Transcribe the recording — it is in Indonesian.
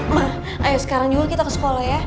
mah ayo sekarang juga kita ke sekolah ya